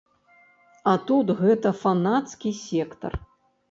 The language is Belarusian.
А тут гэта фанацкі сектар.